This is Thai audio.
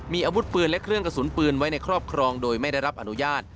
มีอาวุธปืนและเครื่องกระสุนปืนไว้ในครอบครองโดยไม่ได้รับอนุญาต